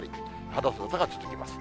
肌寒さが続きます。